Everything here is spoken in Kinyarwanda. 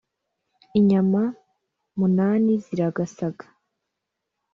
Inyama munani ziragasaga